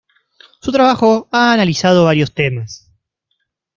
Su trabajo ha analizado varios temas.